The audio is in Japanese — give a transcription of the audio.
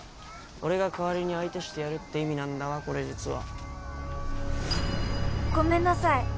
俺が代わりに相手してやるって意味なんだわこれ実はごめんなさい